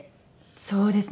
そうですね。